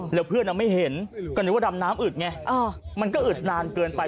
แล้วเพื่อนไม่เห็นก็นึกว่าดำน้ำอึดไงมันก็อึดนานเกินไป